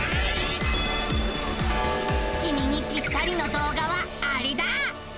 きみにぴったりの動画はアレだ！